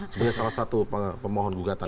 sebenarnya salah satu pemohon bugatan